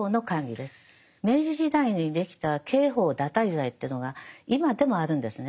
明治時代にできた刑法堕胎罪っていうのが今でもあるんですね。